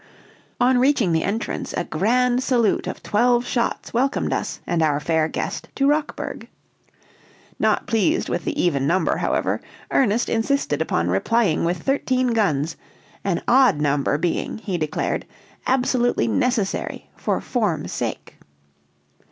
On reaching the entrance, a grand salute of twelve shots welcomed us and our fair guest to Rockburg. Not pleased with the even number, however, Ernest insisted upon replying with thirteen guns, an odd number being, he declared, absolutely necessary for form's sake.